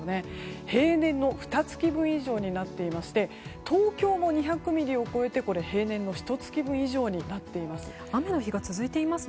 平年のふた月分以上になっていまして東京も２００ミリを超えて平年のひと月分以上になっています。